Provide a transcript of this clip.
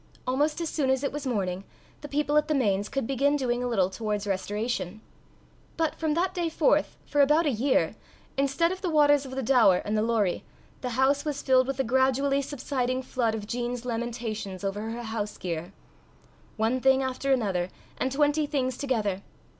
Almost as soon as it was morning, the people at the Mains could begin doing a little towards restoration. But from that day forth, for about a year, instead of the waters of the Daur and the Lorrie, the house was filled with the gradually subsiding flood of Jean's lamentations over her house gear one thing after another, and twenty things together.